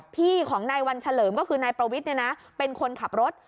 พี่ของนายวันเฉลิมก็คือนายประวิทย์เป็นคนขับรถ